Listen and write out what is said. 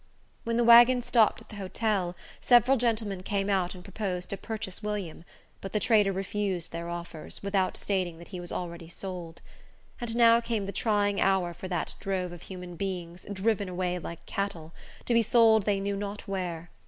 When the wagon stopped at the hotel, several gentlemen came out and proposed to purchase William, but the trader refused their offers, without stating that he was already sold. And now came the trying hour for that drove of human beings, driven away like cattle, to be sold they knew not where.